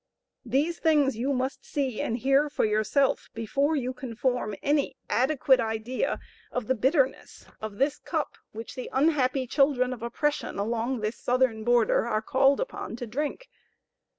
These things you must see and hear for yourself before you can form any adequate idea of the bitterness of this cup which the unhappy children of oppression along this southern border are called upon to drink.